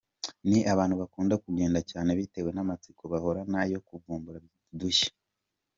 Ni abantu bakunda kugenda cyane bitewe n’amatsiko bahorana yo kuvumbura udushya.